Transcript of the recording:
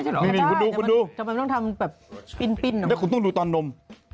หัวหนี้เหี้ยขอชิมด้วยครับ